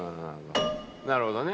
なるほどね。